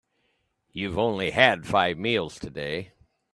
You've only had five meals today.